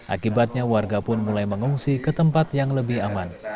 akibatnya warga pun mulai mengungsi ke tempat yang lebih aman